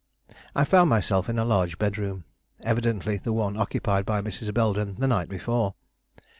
I found myself in a large bedroom, evidently the one occupied by Mrs. Belden the night before.